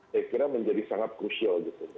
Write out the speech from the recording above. saya kira menjadi sangat krusial gitu